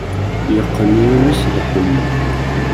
Yeqqen yimi-s lḥenni.